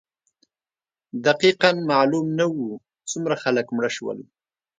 دقیقا معلوم نه وو څومره خلک مړه شول.